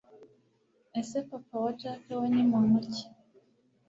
ese papa wa jack we nimuntu ki